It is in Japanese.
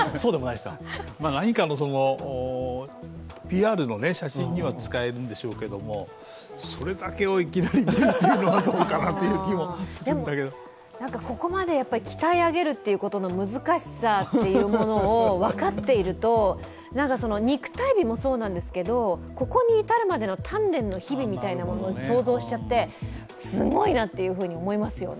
何かのＰＲの写真には使えるんでしょうけど、それだけをいきなりというのはどうかなという気もするんだけどでもここまで鍛え上げるってことの難しさっていうものを分かっていると、肉体美もそうなんですけど、ここに至るまでの鍛錬の日々みたいなものを想像しちゃってすごいなっていうふうに思いますよね。